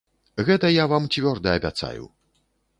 Гэта я вам цвёрда абяцаю.